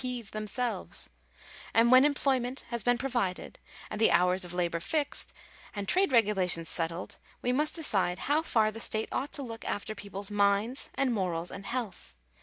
P.s themselves ? And when employment has been provided, and the hours of labour fixed, and trade regulations settled, we must decide how far the state ought to look after peoples' minds, and morals, and health.